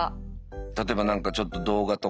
例えば何かちょっと動画とか。